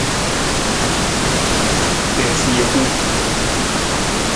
Tiisa jekung.